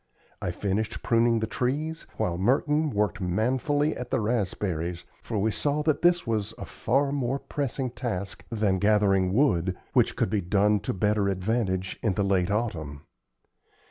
I finished pruning the trees, while Merton worked manfully at the raspberries, for we saw that this was a far more pressing task than gathering wood, which could be done to better advantage in the late autumn.